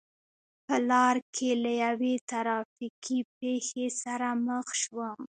په لار کې له یوې ترا فیکې پېښې سره مخ شوم.